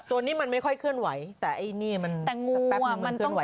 ตัวนิ่มมันไม่ค่อยเคลื่อนไหวแต่ไอ้นี่มันสักแปบนึงมันเคลื่อนไหวได้